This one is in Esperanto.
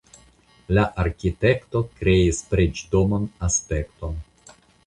La arkitekto kreis preĝdoman aspekton.